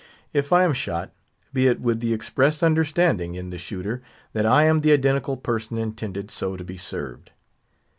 If I am shot, be it with the express understanding in the shooter that I am the identical person intended so to be served.